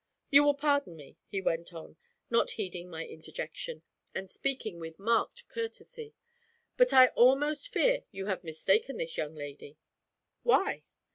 'You will pardon me,' he went on, not heeding my interjection, and speaking with marked courtesy, 'but I almost fear you have mistaken this young lady.' 'Why?'